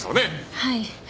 はい。